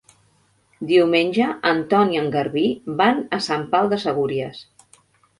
Diumenge en Ton i en Garbí van a Sant Pau de Segúries.